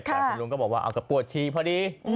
คุณลุงก็บอกเอากลับปนฉี่พอดี